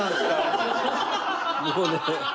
もうね。